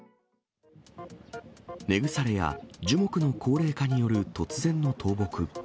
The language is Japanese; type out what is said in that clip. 根腐れや樹木の高齢化による突然の倒木。